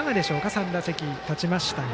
３打席たちましたが。